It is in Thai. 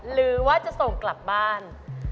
หรือว่าจะส่งกลับบ้าน